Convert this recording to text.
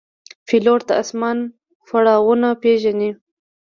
پیلوټ د آسمان پړاوونه پېژني.